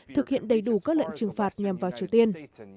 thực hiện đầy đủ các lệnh trừng phạt nhằm vào triều tiên